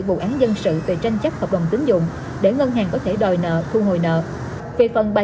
bụ án dân sự về tranh chấp hợp đồng tín dụng để ngân hàng có thể đòi nợ thu hồi nợ về phần bà